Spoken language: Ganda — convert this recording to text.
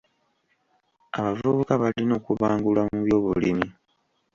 Abavubuka balina okubangulwa mu by'obulimi.